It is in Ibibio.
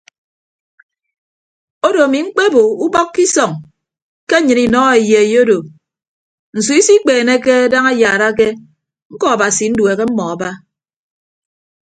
Odo ami mkpebo ubọk ke isọñ ke nnyịn inọ eyei odo nsu isikpeeneke daña ayaarake ñkọ abasi nduehe mmọọ aba.